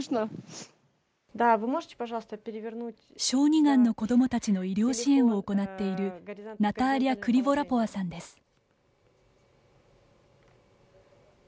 小児がんの子どもたちの医療支援を行っているナターリャ・クリヴォラポワさんです。